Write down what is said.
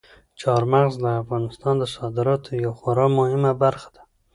چار مغز د افغانستان د صادراتو یوه خورا مهمه برخه ده.